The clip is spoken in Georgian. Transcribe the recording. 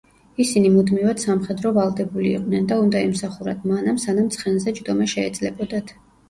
ისინი მუდმივად სამხედრო ვალდებული იყვნენ და უნდა ემსახურათ მანამ, სანამ ცხენზე ჯდომა შეეძლებოდათ.